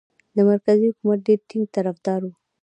د مرکزي حکومت ډېر ټینګ طرفدار وو.